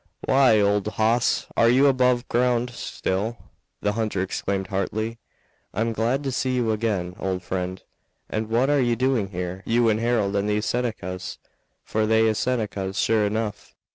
"Why, old hoss, are you above ground still?" the hunter exclaimed heartily. "I'm glad to see you again, old friend. And what are you doing here, you and Harold and these Senecas? For they is Senecas, sure enough.